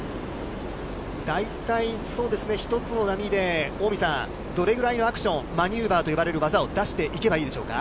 大体、そうですね、１つの波で、近江さん、どれぐらいのアクション、マニューバーと呼ばれる技を出していけばいいでしょうか。